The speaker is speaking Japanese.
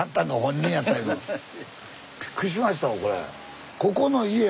びっくりしましたこれ。